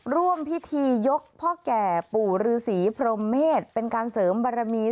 ร่วมพิธียกพ่อแก่ปู่ฤษีพรมเมษเป็นการเสริมบารมี